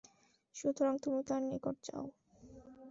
সুতরাং তুমি তাঁর নিকট যাও।